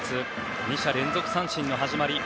２者連続三振の始まり。